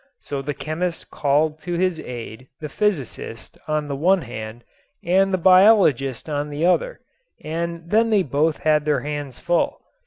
So the chemist called to his aid the physicist on the one hand and the biologist on the other and then they both had their hands full.